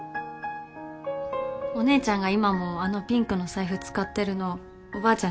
お姉ちゃんが今もあのピンクの財布使ってるのおばあちゃん